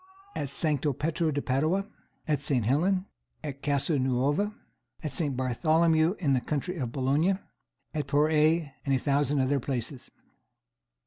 At Sancto Petro de Padua. At St. Helen. At Casa Nuova. At St. Bartholomew, in the county of Boulogne. At the Porrette, and a thousand other places.